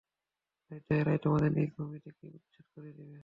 নয়তো এরাই তোমাদের নিজ ভূমি থেকে উচ্ছেদ করে দিবে।